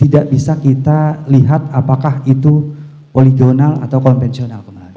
tidak bisa kita lihat apakah itu poligonal atau konvensional kemarin